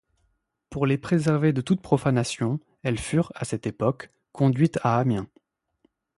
Pour les préserver de toute profanation, elles furent, à cette époque, conduites à Amiens.